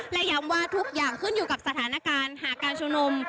และย้ำว่าทุกอย่างขึ้นอยู่กับสถานการณ์หากการชุมนุม